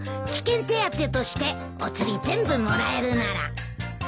危険手当としてお釣り全部もらえるなら。